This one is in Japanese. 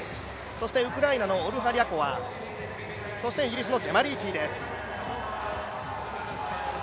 そしてウクライナのオルハ・リャコワそしてイギリスのジェマ・リーキーです。